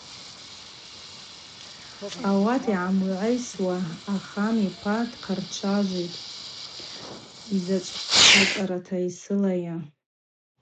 Ауат ъагӏамгӏвайсуа ахан йпа дхъарчважвитӏ: – Йзачӏвхъацӏарата йсылайа.